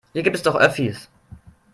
Hier gibt es doch Öffis.